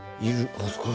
あそこに。